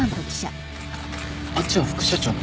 あっちは副社長の。